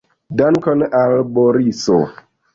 Dankon al Boriso!